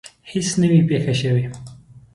هیڅ نه وي پېښه شوې.